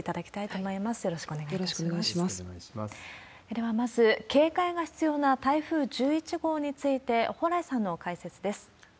ではまず、警戒が必要な台風１１号について、蓬莱さんの解説です。